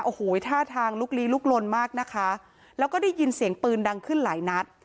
โอ้โหท่าทางลุกลีลุกลนมากนะคะแล้วก็ได้ยินเสียงปืนดังขึ้นหลายนัด